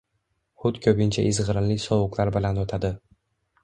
Hut koʻpincha izgʻirinli sovuqlar bilan oʻtadi.